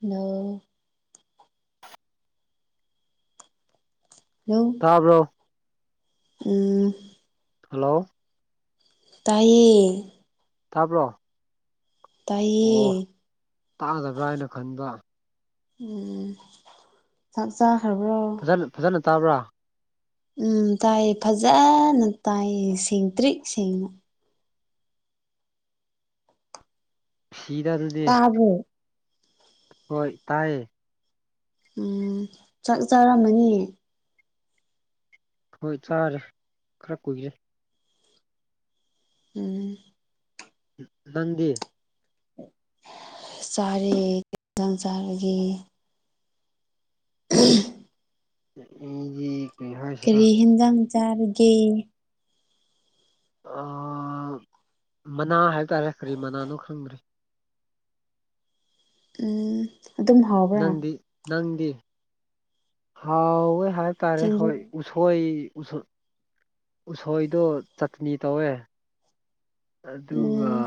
ꯅ ꯍꯜꯂꯣ ꯇꯥꯕ꯭ꯔꯣ ꯎꯝ ꯍꯜꯂꯣ ꯇꯥꯏꯌꯦ ꯊꯥꯕ꯭ꯔꯣ ꯇꯥꯏꯌꯦ ꯇꯥꯗꯕ꯭ꯔꯥ ꯍꯥꯏꯅ ꯈꯟꯕ ꯎꯝ ꯆꯥꯛ ꯆꯥꯈ꯭ꯔꯕ꯭ꯔꯣ ꯐꯖ ꯐꯖꯅ ꯇꯥꯕ꯭ꯔꯥ ꯎꯝ ꯇꯥꯏ ꯐꯖꯅ ꯇꯥꯏ ꯁꯦꯡꯇ꯭ꯔꯤ ꯁꯦꯡꯉ ꯐꯤꯗ ꯑꯗꯨꯗꯤ ꯇꯥꯕ꯭ꯔꯣ ꯍꯣꯏ ꯇꯥꯏꯌꯦ ꯎꯝ ꯆꯥꯛ ꯆꯔꯝꯃꯅꯤ ꯍꯣꯏ ꯆꯥꯔꯦ ꯈꯔ ꯀꯨꯏꯔꯦ ꯎꯝ ꯅꯪꯒꯦ ꯆꯥꯔꯤꯖꯥꯡ ꯆꯥꯕꯒꯤ ꯎꯝ ꯒꯤ ꯀꯔꯤ ꯍꯤꯟꯖꯥꯡ ꯆꯥꯔꯤꯒꯦ ꯃꯅꯥ ꯍꯥꯏꯕ ꯇꯥꯔꯦ ꯀꯔꯤ ꯃꯅꯥꯅꯣ ꯈꯪꯗ꯭ꯔꯔꯤ ꯎ ꯑꯗꯨꯝ ꯍꯧꯏ ꯅꯪꯗꯤ ꯅꯪꯗꯤ ꯍꯥꯎ ꯍꯥꯏ ꯇꯥꯔꯦ ꯆꯦꯡꯒꯨꯝ ꯍꯣꯏ ꯎꯁꯣꯏ ꯎꯁ ꯎꯁꯣꯏꯗꯣ ꯆꯠꯅꯤ ꯇꯧꯋꯦ ꯑꯗꯨꯒ ꯎꯝ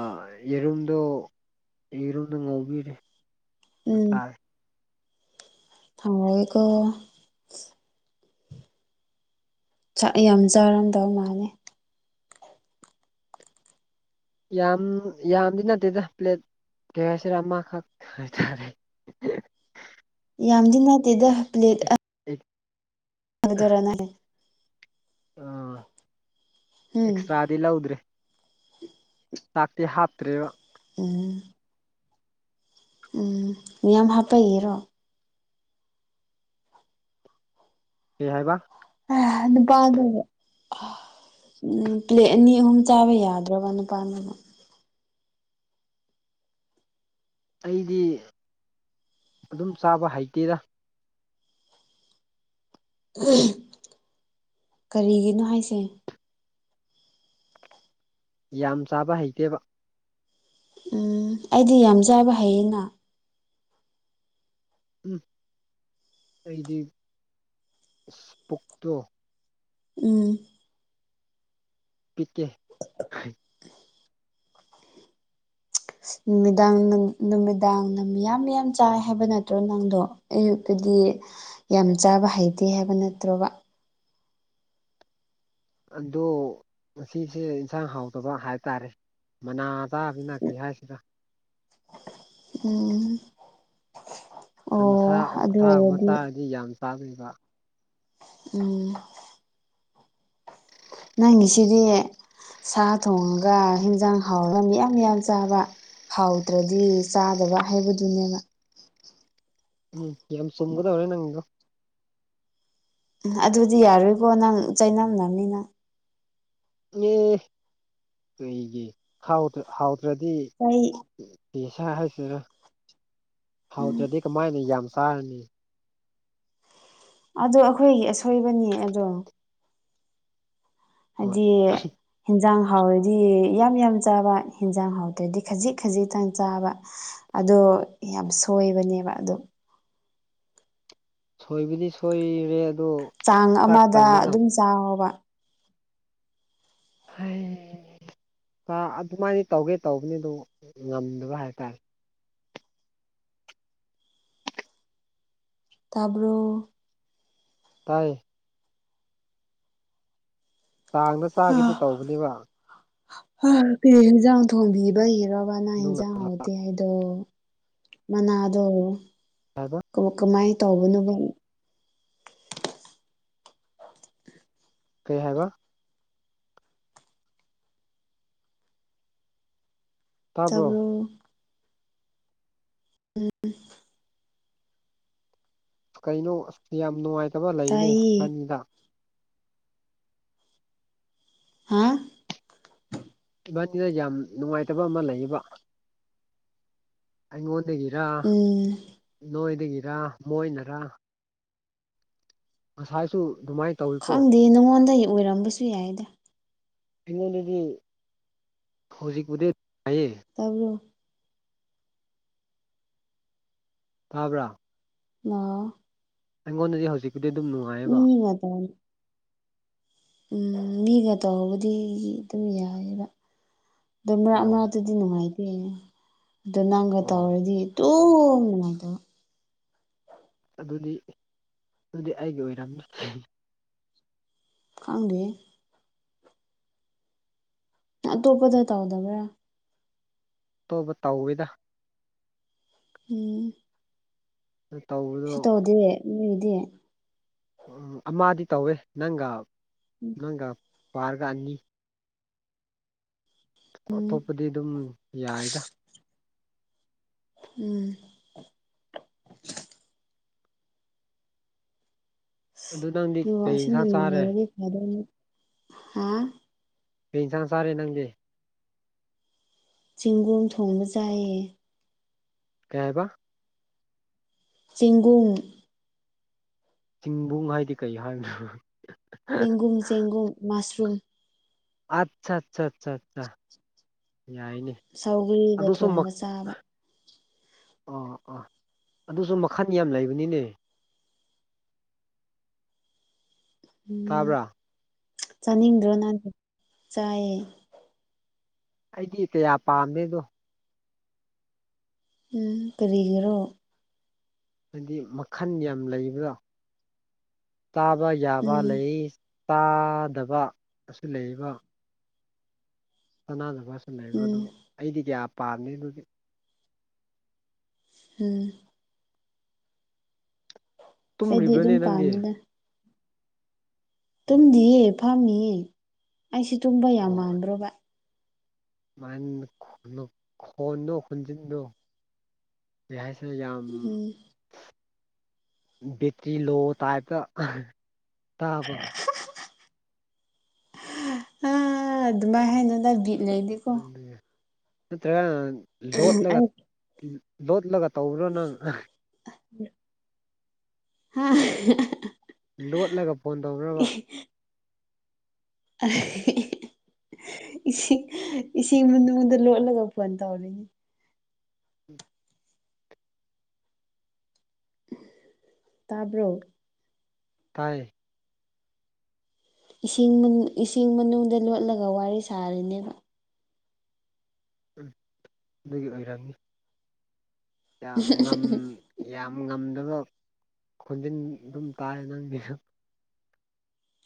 ꯌꯦꯔꯨꯝꯗꯣ ꯌꯦꯔꯨꯝꯗ ꯉꯧꯕꯤꯔꯦ ꯅꯨꯄꯥꯏ ꯊꯥꯡꯀꯣ ꯆꯥꯛ ꯌꯥꯝ ꯆꯥꯔꯝꯗꯧ ꯃꯥꯜꯂ‌ꯦ ꯌꯥꯝ ꯌꯥꯝꯗꯤ ꯅꯠꯇꯦꯗ ꯄ꯭ꯂꯦꯠ ꯀꯦ ꯍꯥꯏꯁꯤꯔ ꯑꯃꯈꯛ ꯍꯥꯏꯇꯥꯔꯦ ꯌꯥꯝꯗꯤ ꯅꯠꯇꯦꯗ ꯎꯝ ꯎꯝ ꯃꯗꯔꯅꯦ ꯎ ꯎꯝ ꯑꯦꯛꯁ꯭ꯔꯥ ꯗꯤ ꯂꯧꯗ꯭ꯔꯦ ꯆꯥꯛꯇꯤ ꯍꯥꯞꯇ꯭ꯔꯦꯕ ꯎꯝ ꯎꯝ ꯃꯤꯌꯥꯝ ꯍꯥꯞꯄꯒꯤꯔꯣ ꯑꯦ ꯍꯥꯏꯕ ꯑ ꯑꯗꯨ ꯄꯗꯒꯦ ꯎꯝ ꯄ꯭ꯂꯦꯠ ꯑꯅꯤ ꯑꯍꯨꯝ ꯆꯥꯕ ꯌꯥꯗ꯭ꯔꯕ ꯅꯨꯄꯥꯅꯅ ꯑꯩꯗꯤ ꯑꯗꯨꯝ ꯆꯥꯕ ꯍꯩꯇꯦꯔ ꯀꯔꯤꯒꯤꯅꯣ ꯍꯥꯏꯁꯦ ꯌꯥꯝ ꯆꯥꯕ ꯍꯩꯇꯦꯕ ꯎꯝ ꯑꯩꯗꯤ ꯌꯥꯝ ꯆꯥꯕ ꯍꯩꯌꯦꯅ ꯎꯝ ꯑꯩꯗꯤ ꯎꯁ ꯄꯨꯛꯇꯣ ꯎꯝ ꯄꯤꯇꯦ ꯍꯥꯏ ꯅꯨꯃꯤꯗꯥꯡ ꯅꯨꯃꯤꯗꯥꯡꯅ ꯃꯤꯌꯥꯝ ꯌꯥꯝ ꯆꯥꯏ ꯍꯥꯏꯕ ꯅꯠꯇ꯭ꯔꯣ ꯅꯪꯗꯣ ꯑꯌꯨꯛꯇꯗꯤ ꯌꯥꯝ ꯆꯥꯕ ꯍꯩꯇꯦ ꯍꯥꯏꯕ ꯅꯠꯇ꯭ꯔꯣꯕ ꯑꯣ ꯉꯁꯦ ꯏꯟꯁꯥꯡ ꯍꯥꯎꯇꯕ ꯍꯥꯏꯕ ꯇꯥꯔꯦ ꯃꯅꯥ ꯆꯥꯕꯅꯤ ꯀꯔꯤ ꯍꯥꯏꯁꯤꯅ ꯎꯝ ꯁꯟꯁꯥ ꯑꯣ ꯑꯗꯨ ꯑꯣꯛꯁꯥ ꯒꯨꯝꯕ ꯑꯣꯏꯔꯗꯤ ꯆꯥꯔꯗꯤ ꯌꯥꯝ ꯆꯥꯘꯨꯏꯕ ꯎꯝ ꯅꯪꯒꯤꯁꯤꯗꯤ ꯁꯥ ꯊꯣꯡꯉꯒ ꯏꯟꯖꯥꯡ ꯍꯥꯎꯔꯒ ꯃꯤꯌꯥꯝ ꯌꯥꯝ ꯆꯥꯕ ꯍꯥꯎꯗ꯭ꯔꯗꯤ ꯆꯥꯗꯕ ꯍꯥꯏꯕꯗꯨꯅꯦꯕ ꯎꯝ ꯌꯥꯝ ꯆꯨꯝꯒꯗꯧꯔꯦ ꯅꯪꯒꯗꫭ ꯎ ꯑꯗꯨꯗꯤ ꯌꯥꯔꯣꯏꯕꯦ ꯅꯪ ꯆꯩꯅꯝꯅꯝꯃꯤ ꯅꯪ ꯑꯦ ꯀꯩꯒꯤ ꯍꯥꯎ꯭ꯔ ꯍꯥꯎꯗ꯭ꯔꯗꯤ ꯑꯩꯩ ꯄꯦ ꯁꯥꯔ ꯍꯥꯏꯁꯤꯔ ꯎꯝ ꯍꯥꯎꯗ꯭ꯔꯗꯤ ꯀꯃꯥꯏꯅ ꯌꯥꯝ ꯆꯥꯔꯅꯤ ꯑꯗꯣ ꯑꯩꯈꯣꯏꯒꯤ ꯑꯁꯣꯏꯕꯅꯤ ꯑꯗꯣ ꯍꯣꯏ ꯍꯥꯏꯗꯤ ꯍꯟꯖꯥꯡ ꯍꯥꯎꯔꯗꯤ ꯌꯥꯝ ꯌꯥꯝ ꯆꯥꯕ ꯍꯦꯟꯖꯥꯡ ꯍꯥꯎꯇꯗꯤ ꯈꯖꯤꯛ ꯈꯖꯤꯛꯇꯪ ꯆꯥꯕ ꯑꯗꯣ ꯌꯥꯝ ꯁꯣꯏꯕꯅꯦꯕ ꯑꯗꯣ ꯁꯣꯏꯕꯗꯤ ꯁꯣꯏꯔꯦ ꯑꯗꯣ ꯆꯥꯡ ꯆꯥꯛ ꯑꯃꯗ ꯇꯪꯕ ꯉꯝ ꯑꯗꯨꯝ ꯆꯥꯎꯑꫭ ꯕ ꯍꯩ ꯑꯗꯨꯃꯥꯏꯅ ꯇꯧꯒꯦ ꯇꯧꯕꯅꯤ ꯑꯗꯨ ꯉꯝꯗꯕ ꯍꯥꯏꯇꯥꯔꯦ ꯇꯥꯕꯔ‌ꫭ ꯇꯥꯏ ꯆꯥꯡꯗ ꯆꯥꯒꯗꯤ ꯇꯧꯕꯅꯦꯕ ꯍꯟꯖꯥꯡ ꯊꯣꯡꯝꯕꯤꯕ ꯍꯔꯕꯅ ꯑꯗꯨ ꯍꯟꯖꯥꯡ ꯍꯗꯦ ꯑꯩꯗꯣ ‌ꯃꯅꯥꯗꯣ ꯍꯥꯏꯕ ꯀꯃꯥꯏꯅ ꯇꯧꯕꯅꯣꯕ ꯀꯩ ꯍꯥꯏꯕ ꯇꯥꯕ꯭ꯔꯣ ꯇꯕ꯭ꯔꯣ ꯎꯝ ꯀꯩꯅꯣ ꯑꯁ ꯌꯥꯝ ꯅꯨꯡꯉꯥꯏꯇꯕ ꯂꯩꯅꯦ ꯇꯥꯏꯌꯦ ꯄꯟꯗ ꯍꯥ ꯏꯕꯥꯅꯤꯗ ꯌꯥꯝ ꯅꯨꯡꯉꯥꯏꯇꯕ ꯑꯃ ꯂꯩꯌꯦꯕ ꯑꯩꯉꯣꯟꯗꯒꯤꯔ ꯎꯝ ꯅꯣꯏꯗꯒꯤꯔ ꯃꯣꯏꯅꯔꯥ ꯉꯁꯥꯏꯁꯨ ꯑꯗꯨꯃꯥꯏ ꯈꯪꯗꯦ ꯅꯉꯣꯟꯗꯒꯤ ꯑꯣꯏꯔꯝꯕꯁꯨ ꯌꯥꯏꯗ ꯑꯩꯉꯣꯟꯗꯗꯤ ꯍꯧꯖꯤꯛꯄꯨꯗꯤ ꯍꯥꯏꯥꯏꯌꯦ ꯇꯥꯕ꯭ꯔꯣ ꯇꯥꯕ꯭ꯔꯥ ꯂ ꯎ ꯑꯩꯉꯣꯟꯗꯗꯤ ꯍꯧꯖꯤꯛꯄꯨꯗꯤ ꯑꯗꯨꯝ ꯅꯨꯡꯉꯥꯏꯌꯦꯕ ꯎ ꯇꯅꯤ [unintelligible] [unintelligible] ꯎꯝ ꯃꯤꯒ ꯇꯧꯕꯗꯤ ꯑꯗꯨꯝ ꯌꯥꯏꯑꯕ ꯑꯗꯨꯔꯛ ꯑꯣ ꯃꯔꯛꯇꯨ ꯑꯗꯨꯗꯤ ꯅꯨꯡꯉꯥꯏꯇꯦ ꯑꯗꯨꯗ ꯅꯪꯒ ꯑꯣ ꯇꯧꯔꯗꯤ ꯇꯨꯝ ꯅꯨꯡꯉꯥꯏꯗꯕ ꯑꯗꯨꯗꯤ ꯑꯗꯨꯗꯤ ꯑꯩꯒꯤ ꯑꯣꯏꯔꯝꯅꯤ ꯉꯪꯗ ꯦ ꯑꯇꯣꯞꯄꯗ ꯇꯧꯗꯕ꯭ꯔꯥ ꯑꯇꯣꯞꯄ ꯇꯧꯏꯗ ꯎꯝ ꯇꯧ ꯁꯤ ꯇꯧꯗꯦ ꯂꯩꯗꯤ ꯎꯝ ꯑꯃꯗꯤꯗꯤ ꯇꯧꯋꯦ ꯅꯪꯒ ꯅꯪꯒꯤ ꯄꯥꯔꯒ ꯑꯅꯤ ꯎꯝ ꯑꯇꯣꯞꯄꯗꯤ ꯑꯗꯨꯝ ꯌꯥꯏꯗ ꯎꯝ ꯑꯗꯨ ꯅꯪꯗꯤ ꯑ ꯋꯥ ꯀꯩ ꯑꯁꯤꯅ ꯏꯟꯁꯥꯡ ꯆꯥꯔꯦ ꯅꯨꯡꯉꯥꯏꯔꯅꯤ ꯍꯥ ꯄꯁꯥꯡꯅ ꯁꯥꯔꯦ ꯅꯪꯗꯤꯦ ꯆꯦꯡꯒꯨꯝ ꯊꯣꯡꯕ ꯌꯥꯏꯌꯦ ꯀꯌꯥ ꯍꯥꯏꯕ ꯆꯦꯡꯒꯨꯡ ꯆꯤꯡꯕꯨꯡ ꯍꯥꯏꯗꯤ ꯀꯩ ꯍꯥꯏꯕꯅ ꯆꯦꯡꯒꯨꯝ ꯆꯦꯡꯒꯨꯝ ꯃꯁꯔꯨꯝ ꯑꯠꯆꯥ ꯑꯆꯥ ꯑꯆꯥ ꯑ ꯌꯥꯏꯅꯦ ꯁꯧꯒ꯭ꯔꯤꯒ ꯑꯗꯨꯗ ꯁꯣ ꯊꯣꯡꯕ ꯆꯥꯕ ꯑꯥ ꯑꯥ ꯑꯗꯨꯁꯨ ꯃꯈꯟ ꯌꯥꯝ ꯂꯩꯕꯅꯤꯅꯦ ꯎꯝ ꯇꯥꯕ꯭ꯔꯥ ꯆꯥꯅꯤꯡꯗ꯭ꯔꯣ ꯅꯍꯥꯟ ꯆꯥꯏꯌꯦ ꯑꯩꯗꯤ ꯀꯌꯥ ꯄꯥꯝꯃꯦꯗꯣ ꯎꯝ ꯀꯔꯒ꯭ꯔꯣ ꯍꯥꯏꯗꯤ ꯃꯈꯜ ꯌꯥꯝ ꯂꯩꯕꯗꯣ ꯆꯥꯕ ꯌꯥꯕ ꯎꯝ ꯂꯩ ꯇꯥꯗꯕ ꯑꯁꯤ ꯂꯩꯔꯤꯕꯕ ꯁꯅꯥꯗꯨ ꯈꯔꯁꯨ ꯂꯩꯔꯣ ꯎꯝ ꯑꯗꯣ ꯑꯩꯗꯤ ꯀꯌꯥ ꯄꯥꯝꯅꯤ ꯑꯗꯨꯗꯤ ꯎꯝ ꯑꯩꯗꯤ ꯇꯨꯝꯔꯤꯕꯅꯤ ꯑꯗꯨꯝ ꯅꯪꯒꯤ ꯄꯥꯝꯃꯤꯗ ꯑꯣ ꯇꯨꯝꯗꯤꯌꯦ ꯐꯝꯃꯤꯌꯦ ꯑꯩꯁ ꯇꯨꯝꯕ ꯌꯥꯝ ꯃꯥꯟꯕ꯭ꯔꯣ ꯚ ꯨꯃꯅ ꯈꯣꯟꯅꯣ ꯈꯣꯟꯖꯤꯟꯗꯣ ꯀ ꯍꯥꯏꯁꯤꯅ ꯌꯥꯝ ꯎꯝ ꯎꯝ ꯕꯦꯇ꯭ꯔꯤ ꯂꯣ ꯇꯥꯏꯞꯇ ꯇꯕ ꯑ ꯑꯗꯨꯃꯥꯏ ꯍꯥꯏꯅꯗ ꯕꯤꯠ ꯂꯩꯗꯤ ꯑꯗꯨ ꯅꯠꯇ꯭ꯔꯒ ꯂꯣꯠꯂꯒ ꯑꯩ ꯂꯣꯠꯂꯒ ꯇꯧꯕ꯭ꯔꯣ ꯅꯪ ꯍꯥ ꯂꯣꯠꯂꯒ ꯐꯣꯟ ꯇꯧꯅꯕ ꯑ ꯏꯁꯤꯡ ꯏꯁꯤꯡ ꯃꯅꯨꯡꯗꯅꯨꯡꯗ ꯂꯣꯠꯂꯒ ꯐꯣꯟ ꯇꯧꯔꯤꯅꯤ ꯇꯥꯕ꯭ꯔꯣ ꯇꯥꯏꯌꯦ ꯏꯁꯤꯡ ꯏꯁꯤꯡ ꯃꯅꯨꯡꯗ ꯂꯣꯠꯂꯒ ꯋꯥꯔꯤ ꯁꯥꯔꯤꯅꯦꯕ ꯎ ꯑꯗꯨꯗꯒꯤ ꯑꯣꯏꯔꯅꯤ ꯌꯥꯝ ꯌꯥꯝ ꯉꯝꯗꯕ ꯈꯣꯟꯖꯤꯟ ꯑꯗꯨꯝ ꯇꯥꯏ ꯅꯪꯒꯤ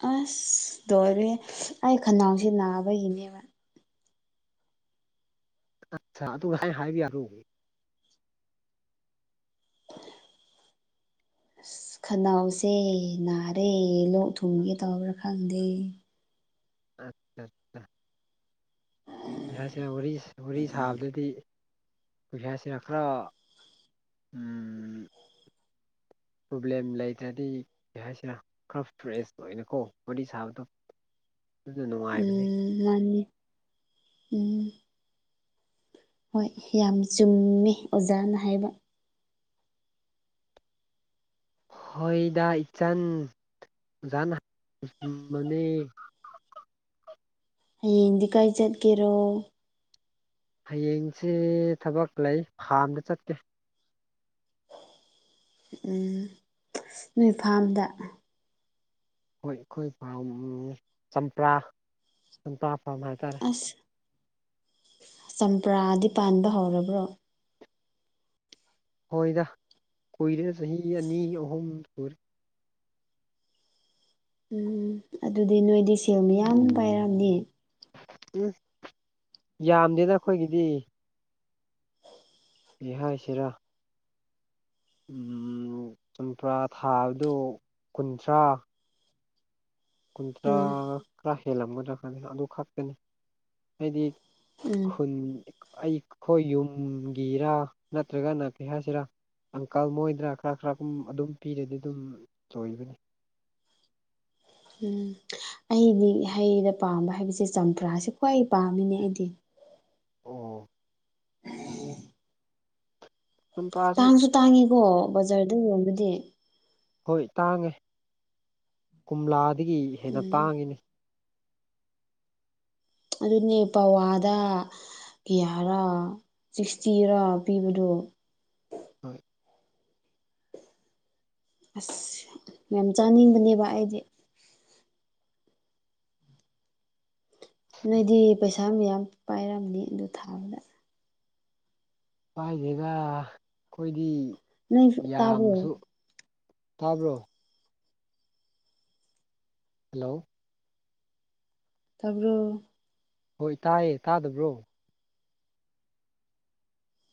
ꯑꯁ ꯇꯣꯏꯔ ꯑꯩ ꯈꯅꯥꯎꯁꯦ ꯅꯥꯕꯒꯤꯅꯦꯕ ꯑ ꯑꯗꯨꯒ ꯉꯁꯥꯏ ꯍꯥꯏꯕꯤ ꯌꯥꯔꯣ ꯑꯁ ꯈꯅꯥꯎꯁꯦ ꯅꯥꯔꯦ ꯂꯣꯛ ꯊꯨꯡꯒꯦ ꯇꯧꯕ꯭ꯔꯥ ꯈꯪꯗꯦ ꯑꯆꯥ ꯑꯆꯥ [unintelligible] ꯄꯩꯁꯥꯁꯤꯅ ꯋꯥꯔꯤ ꯋꯥꯔꯤꯔꯤ ꯁꯥꯕꯗꯗꯤ ꯄꯩꯁꯥꯁꯤꯅ ꯈꯔ ꯄ꯭ꯔꯣꯕ꯭ꯂꯦꯝ ꯂꯩꯇ꯭ꯔꯗꯤ ꯀꯩ ꯍꯥꯏꯁꯤꯔꯥ ꯈꯔ ꯐ꯭ꯔꯦꯁ ꯑꯣꯏꯅꯅ ꯀꯣ ꯄꯗꯤ ꯁꯥꯕꯗ [unintelligible] ꯑꯗꯨꯗ ꯅꯨꯡꯉꯥꯏꯕꯅꯤ ꯎꯝ ꯃꯥꯅꯤ ꯎꯝ ꯍꯣꯏ ꯌꯥꯝ ꯆꯨꯝꯃꯦ ꯑꯣꯖꯥꯅ ꯍꯥꯏꯕ ꯍꯣꯏꯗ ꯏꯆꯟ ꯖꯅꯤ ꯍꯌꯦꯡꯗꯤ ꯀꯥꯏ ꯆꯠꯀꯦꯔꯣ ꯍꯌꯦꯡꯁꯤ ꯊꯕꯛ ꯂꯩ ꯐꯥꯝꯗ ꯆꯠꯀꯦ ꯎ ꯅꯣꯏ ꯐꯥꯝꯗ ꯍꯣꯏ ꯑꯩꯈꯣꯏꯥꯝ ꯆꯝꯄ꯭ꯔꯥ ꯆꯝꯄ꯭ꯔꯥ ꯐꯥꯝ ꯍꯥꯏꯇꯥꯔꯦ ꯑꯁ ꯆꯝꯄ꯭ꯔꯥꯗꯤ ꯄꯥꯟꯕ ꯍꯧꯔꯕ꯭ꯔꯣ ꯍꯣꯏꯗ ꯀꯨꯏꯔꯦ ꯆꯍꯤ ꯑꯅꯤ ꯑꯍꯨꯝ ꯀꯔ ꯎꯝ ꯑꯗꯨꯗꯤ ꯅꯣꯏꯗꯤ ꯁꯦꯜ ꯃꯌꯥꯝ ꯄꯥꯏꯔꯝꯅꯤ ꯎꯝ ꯌꯥꯝꯗꯦꯅ ꯑꯩꯈꯣꯏꯒꯤꯗꯤ ꯏꯍꯥ ꯏꯆꯔꯥ ꯆꯝꯄ꯭ꯔꯥ ꯊꯥꯕꯗꯨ ꯀꯨꯟꯊ꯭ꯔꯥ ꯎꯝ ꯀꯨꯟꯊ꯭ꯔꯥꯒ ꯈꯔ ꯍꯦꯜꯂꯝꯒꯗ꯭ꯔꯗꯤ ꯑꯗꯨ ꯈꯛꯇꯅꯤ ꯍꯥꯏꯗꯤ ꯎꯝ ꯈꯨꯟ ꯑꯩꯈꯣꯏ ꯌꯨꯝꯒꯤꯔꯥ ꯅꯠꯇ꯭ꯔꯒꯅ ꯀꯩ ꯍꯥꯏꯁꯤꯔꯥ ꯑꯪꯀꯜ ꯃꯣꯏꯗꯅ ꯈꯔ ꯈꯔꯒꯨꯝ ꯑꯗꯨꯝ ꯄꯤꯔꯗꯤ ꯑꯗꯨꯝ ꯇꯣꯏꯕꯅꯤ ꯎꯝ ꯑꯩꯗꯤ ꯍꯩꯩꯅ ꯄꯥꯝꯕ ꯍꯥꯏꯕꯁꯦ ꯆꯝꯄ꯭ꯔꯥꯁꯦ ꯈ꯭ꯋꯥꯏ ꯄꯥꯝꯃꯤꯅꯦ ꯑꯩꯗꯤ ꯑꯣ ꯇꯨꯝ ꯇꯥꯁ ꯇꯥꯡꯁꯨ ꯇꯥꯡꯉꯤꯀꯣ ꯕꯖꯥꯔꯗ ꯌꯕꯗꯤ ꯍꯣꯏ ꯇꯥꯡꯉꯦ ꯀꯣꯝꯂꯥꯗꯒꯤ ꯍꯦꯟꯅ ꯎꯝ ꯇꯥꯡꯉꯤꯅꯤ ꯑꯗꯨꯅꯦ ꯄꯋꯥꯗ ꯀꯤꯌꯥꯔꯥ ꯁꯤꯛꯁꯇꯤꯔ ꯄꯤꯕꯗꯣ ꯍꯣꯏ ꯑꯁ ꯌꯥꯝ ꯆꯥꯅꯤꯡꯕꯅꯦꯕ ꯑꯩꯗꯤ ꯅꯣꯏꯗꯤ ꯄꯩꯁꯥ ꯏꯁꯥ ꯃ ꯌꯥꯝ ꯄꯥꯏꯔꯝꯅꯤ ꯑꯗꯨ ꯊꯥꯕꯗ ꯄꯥꯏꯁꯤꯒ ꯑꯩꯈꯣꯏꯗꯤ ꯅꯣꯏ ꯇꯥꯕ꯭ꯔꯣ ꯌꯥꯝꯃꯁꯨ ꯊꯥꯕ꯭ꯔꯣ ꯍꯜꯂꯣ ꯇꯥꯕ꯭ꯔꯣ ꯍꯣꯏ ꯇꯥꯏꯌꯦ ꯇꯥꯗꯕ꯭ꯔꯣ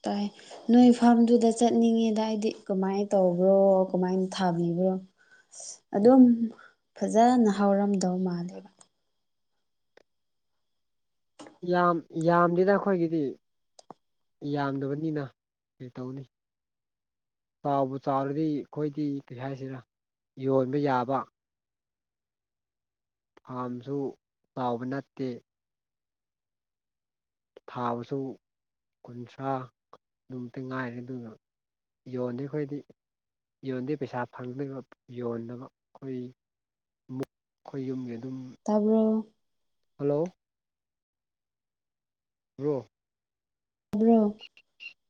ꯇꯥꯏ ꯅꯣꯏ ꯐꯥꯔꯝꯗꯨꯗ ꯆꯠꯅꯤꯡꯉꯤꯗ ꯍꯥꯏꯗꯤ ꯀꯃꯥꯏꯅ ꯇꯧꯕ꯭ꯔꯣ ꯀꯃꯥꯏꯅ ꯊꯥꯕꯤꯕ꯭ꯔꯣ ꯑꯦ ꯑꯗꯨꯝ ꯐꯖꯅ ꯍꯧꯔꯝꯗꯧ ꯃꯥꯜꯂꯦꯕ ꯌꯥꯝ ꯌꯥꯝꯗꯦꯅ ꯑꯩꯈꯣꯏꯒꯤꯗꯤ ꯌꯥꯝꯗꯕꯅꯤꯅ ꯀꯩꯇꯧꯅꯤ ꯆꯥꯎꯕ ꯆꯥꯎꯔꯗꯤ ꯑꯩꯈꯣꯏꯗꯤ ꯀꯩ ꯍꯥꯏꯁꯤꯔ ꯌꯣꯟꯕ ꯌꯥꯕ ꯐꯥꯔꯝꯁꯨ ꯆꯥꯎꯕ ꯅꯠꯇꯦ ꯊꯥꯕꯁꯨ ꯀꯨꯟꯊ꯭ꯔꯥ ꯑꯗꯨꯃꯇ ꯉꯥꯏꯔꯦ ꯑꯗꯨꯅ ꯌꯣꯟꯅꯤ ꯑꯩꯈꯣꯏꯗꯤ ꯌꯣꯟꯗꯦ ꯄꯩꯁꯥ ꯐꯪꯗꯅꯕ ꯌꯣꯟꯅꯕ ꯑꯩꯈꯣꯏ ꯑꯩꯈꯣꯏ ꯌꯨꯝꯁꯦ ꯑꯗꯨꯝ ꯇꯥꯄ ꯍꯜꯂꯣ ꯕ ꯕ꯭ꯔꯣꯝ [unintelligible]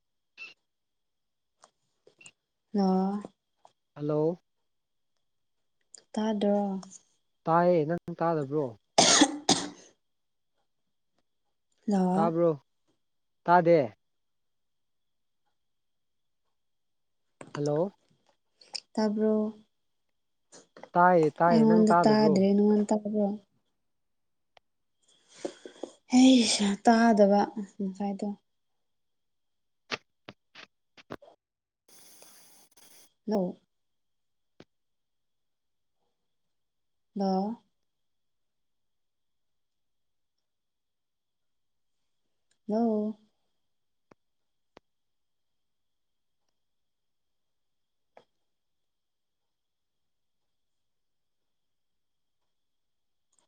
ꯑ ꯍꯜꯂꯣ ꯇꯥꯗꯣ ꯇꯥꯏꯌꯦ ꯅꯪ ꯇꯥꯗꯕ꯭ꯔꯣ [unintelligible] ꯂꯥꯛꯑꯣ ꯇꯥꯕ꯭ꯔꯣ ꯇꯥꯗꯦ ꯍꯜꯂꯣ ꯇꯥꯕ꯭ꯔꯣ ꯇꯥꯏꯌꯦ ꯇꯥꯏꯌꯦ ꯅꯪ ꯑꯩꯉꯣꯟꯗ ꯇꯥꯗꯕ꯭ꯔꯣ ꯇꯥꯗ꯭ꯔꯦ ꯅꯉꯣꯟ ꯇꯥꯕ꯭ꯔꯣ ꯑꯩꯁ ꯇꯥꯗꯕ ꯉꯁꯥꯏꯗꯣ ꯍꯜꯂꫭ ꯍꯜꯂꫭ ꯍꯜꯂꫭ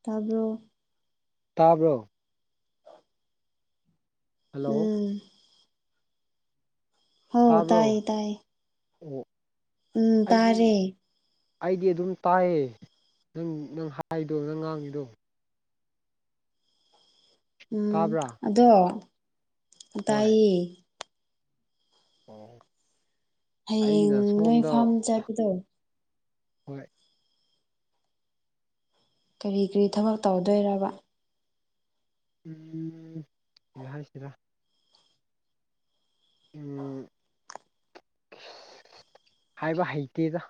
ꯇꯥꯕꯔꫭ ꯇꯥꯕ꯭ꯔꯣ ꯍꯜꯂꯣ ꯎꯝ ꯍꯧ ꯇꯥꯕ꯭ꯔꯣ ꯇꯥꯏꯌꯦ ꯇꯥꯏꯌꯦ ꯑꯣ ꯎꯝ ꯑꯩꯗꯤ ꯇꯥꯔꯦ ꯑꯩꯗꯤ ꯑꯗꯨꯝ ꯇꯥꯏꯌꯦ ꯅꯪ ꯅꯪ ꯍꯥꯏꯗꯣ ꯅꯪ ꯉꯥꯡꯉꯤꯗꯣ ꯎꯝ ꯇꯥꯕ꯭ꯔꯥ ꯑꯗꯣ ꯍꯣꯏ ꯇꯥꯏꯌꯦ ꯑꯣ ꯍꯌꯦꯡ ꯑꯩꯅ ꯅꯣꯏ ꯁꯣꯝꯗ ꯐꯥꯝ ꯆꯠꯄꯗꯣ ꯍꯣꯏ ꯀꯔꯤ ꯀꯔꯤ ꯊꯕꯛ ꯇꯧꯗꯣꯏꯔꯕ ꯎꯝ ꯀꯔꯤ ꯍꯥꯏꯁꯤꯔ ꯎꯝ ꯍꯥꯏꯕ ꯍꯩꯇꯦꯗ